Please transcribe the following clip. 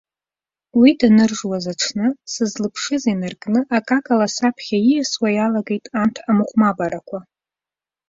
Уи даныржуаз аҽны сызлаԥшыз инаркны, акакала саԥхьа ииасуа иалагеит анҭ амыҟәмабарақәа.